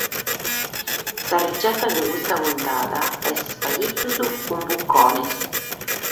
Sa retzeta de custa puntada est ispaghitus cun bucones.